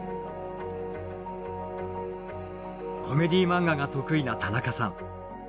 コメディー漫画が得意な田中さん。